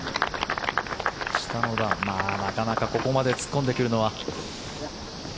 下の段、なかなかここまで突っ込んでくるのは。